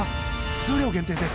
数量限定です。